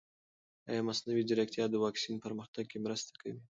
ایا مصنوعي ځیرکتیا د واکسین پرمختګ کې مرسته کوي؟